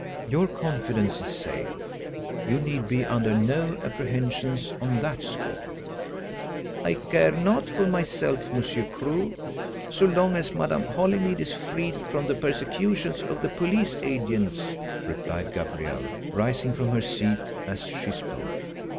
Your confidence is safe; you need be under no apprehensions on that score." "I care not for myself, Monsieur Crewe, so long as Madame Holymead is freed from the persecutions of the police agents," replied Gabrielle, rising from her seat as she spoke.